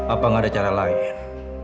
apa nggak ada cara lain